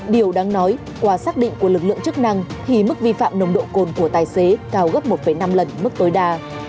điều đáng nói qua xác định của lực lượng chức năng thì mức vi phạm nồng độ cồn của tài xế cao gấp một năm lần mức tối đa